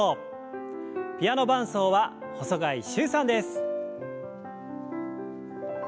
ピアノ伴奏は細貝柊さんです。